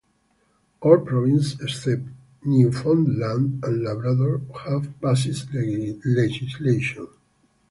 All provinces, except Newfoundland and Labrador, have passed legislation.